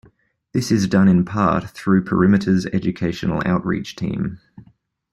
This is done in part through Perimeter's Educational Outreach team.